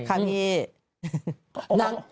คังงี้